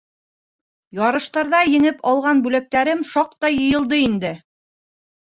Ярыштарҙа еңеп алған бүләктәрем шаҡтай йыйылды инде.